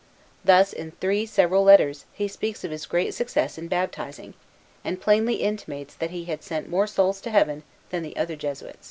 Thus, in three several letters, he speaks of his great success in baptizing, and plainly intimates that he had sent more souls to Heaven than the other Jesuits.